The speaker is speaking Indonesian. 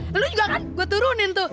lalu juga kan gue turunin tuh